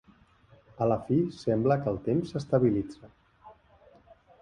A la fi, sembla que el temps s'estabilitza.